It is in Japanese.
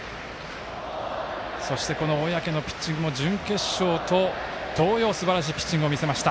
そして、小宅のピッチングも準決勝と同様、すばらしいピッチングを見せました。